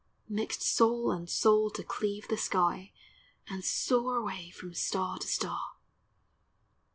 Mixt soul and soul to cleave the sky, And soar awav from star to star.